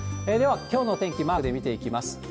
では、きょうの天気、マークで見ていきます。